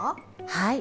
はい。